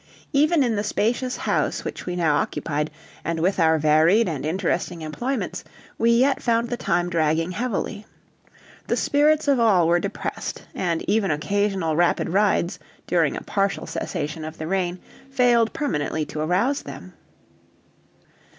Even in the spacious house which we now occupied, and with our varied and interesting employments, we yet found the time dragging heavily. The spirits of all were depressed, and even occasional rapid rides, during a partial cessation of the rain, failed permanently to arouse them.